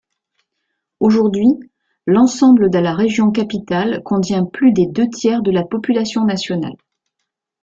Aujourd'hui, l'ensemble de la région capitale contient plus des deux-tiers de la population nationale.